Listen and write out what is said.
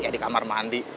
ya di kamar mandi